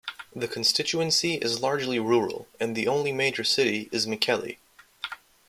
The constituency is largely rural, and the only major city is Mikkeli.